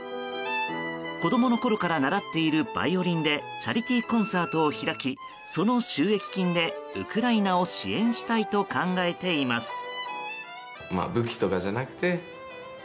子供のころから習っているバイオリンでチャリティーコンサートを開きその収益金でウクライナを支援したいと考えています。